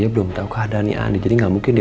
tolong aku kekunci disini